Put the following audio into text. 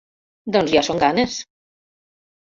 Doncs ja són ganes!